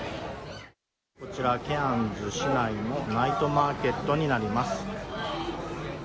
こちらケアンズ市内のナイトマーケットになります。